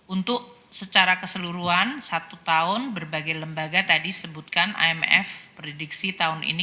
untuk secara keseluruhan satu tahun berbagai lembaga tadi sebutkan imf prediksi tahun ini